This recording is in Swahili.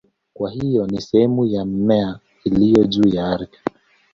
Kwa hiyo ni sehemu ya mmea iliyopo juu ya ardhi.